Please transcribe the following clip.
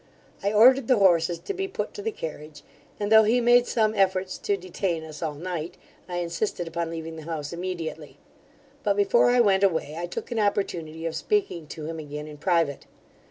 I ordered the horses to be put to the carriage, and, though he made some efforts to detain us all night, I insisted upon leaving the house immediately; but, before I went away, I took an opportunity of speaking to him again in private.